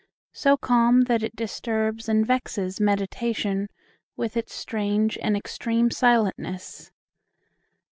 so calm, that it disturbs And vexes meditation with its strange And extreme silentness.